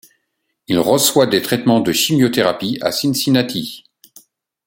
Il reçoit des traitements de chimiothérapie à Cincinnati.